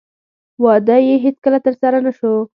واده یې هېڅکله ترسره نه شو.